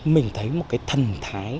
mình thấy một cái thần thái